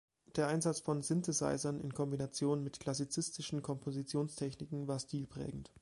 Der Einsatz von Synthesizern in Kombination mit klassizistischen Kompositionstechniken war stilprägend.